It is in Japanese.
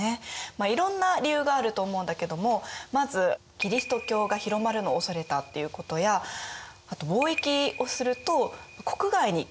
いろんな理由があると思うんだけどもまずキリスト教が広まるのを恐れたっていうことやあと貿易をすると国外に金銀も流出してしまうよね。